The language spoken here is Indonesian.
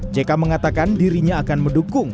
jk mengatakan dirinya akan mendukung